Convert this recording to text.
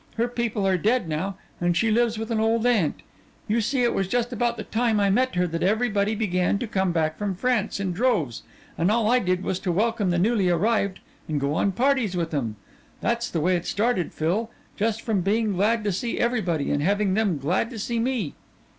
Her people are dead now and she lives with an old aunt. You see it was just about the time I met her that everybody began to come back from France in droves and all I did was to welcome the newly arrived and go on parties with 'em. That's the way it started, Phil, just from being glad to see everybody and having them glad to see me."